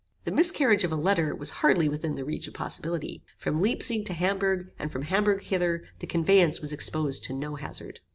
The miscarriage of a letter was hardly within the reach of possibility. From Leipsig to Hamburgh, and from Hamburgh hither, the conveyance was exposed to no hazard.